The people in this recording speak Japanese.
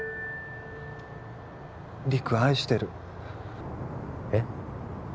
陸愛してるえっ？